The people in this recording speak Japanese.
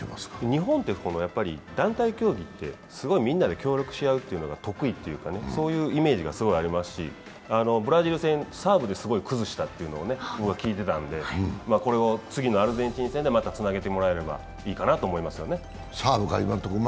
日本って団体競技ってみんなで協力し合うのが得意ってそういうイメージがすごくありますし、ブラジル戦、サーブですごい崩したというのを聞いてたので、これを次のアルゼンチン戦でつなげてもらえればいいかなって思いますよね。